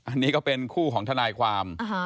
อันนี้ก็เป็นคู่ของทนายความ